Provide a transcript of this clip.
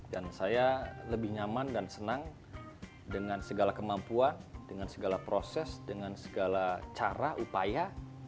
dan saya lebih nyaman dan senang dengan segala kemampuan dengan segala proses dengan segala cara upaya